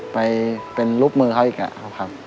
ไปเป็นรูปมือเขาอีกนะครับครับ